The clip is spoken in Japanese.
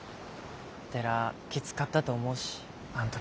寺きつかったと思うしあん時。